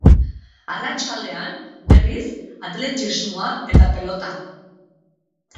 Arratsaldean, berriz, atletismoa eta pelota.